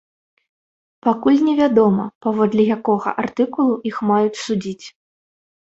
Пакуль невядома, паводле якога артыкулу іх маюць судзіць.